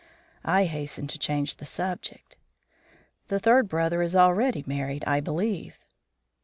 I hastened to change the subject. "The third brother is already married, I believe."